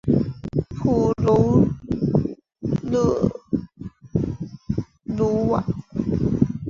普龙勒鲁瓦。